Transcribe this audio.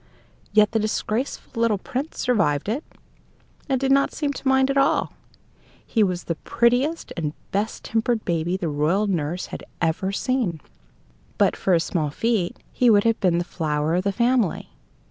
Yet the disgraceful little prince survived it, and did not seem to mind at all. He was the prettiest and best tempered baby the royal nurse had ever seen. But for his small feet, he would have been the flower of the family.